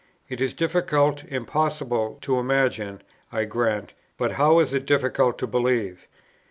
It is difficult, impossible, to imagine, I grant; but how is it difficult to believe?